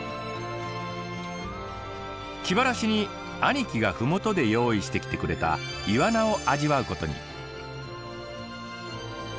気晴らしに兄貴が麓で用意してきてくれたイワナを味わうことに。